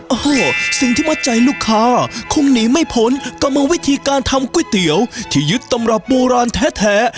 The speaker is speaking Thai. โอ้โหสิ่งที่มัดใจลูกค้าคงหนีไม่พ้นก็มีวิธีการทำก๋วยเตี๋ยวที่ยึดตำรับโบราณแท้